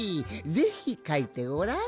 ぜひかいてごらん。